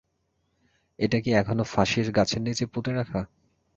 এটা কি এখনো ফাঁসির গাছের নিচেই পুঁতে রাখা?